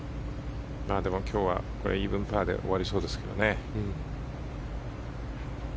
今日はイーブンパーで終わりそうですよね。